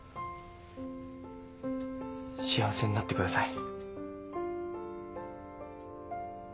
幸せになってください。